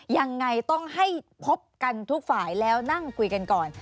ยังไงต้องให้พบกันทุกฝ่ายแล้วนั่งคุยกันก่อน